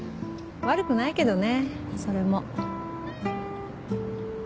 悪くないけどねそれも。